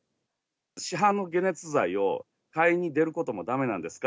市販の解熱剤を買いに出ることもだめなんですか？